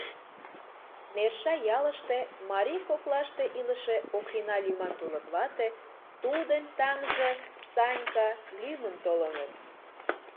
Нерша ялыште марий коклаште илыше Оклина лӱман тулык вате, тудын таҥже Санька лӱмын толыныт.